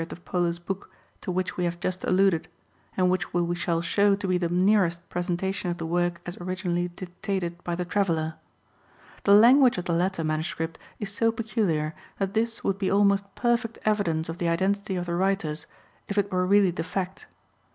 of Polo's Book to which we have just alluded, and which we shall show to be the nearest present ation of the work as originally dictated by the Traveller. The language of the latter MS. is so peculiar that this would be almost perfect evidence of the identity of the writers, if it were really the fact.